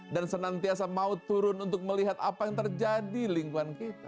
dan senantiasa mau turun untuk melihat apa yang terjadi lingkuan kita